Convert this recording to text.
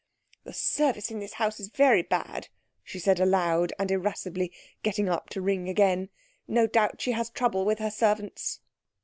"The service in this house is very bad," she said aloud and irascibly, getting up to ring again. "No doubt she has trouble with her servants."